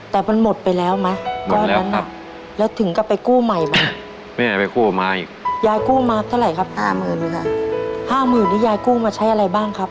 แต่มันหมดไปแล้วมั้ยก้อนนั้นอ่ะแล้วถึงก็ไปกู้ใหม่มั้ยยายกู้มาเท่าไรครับยายกู้มาใช้อะไรบ้างครับ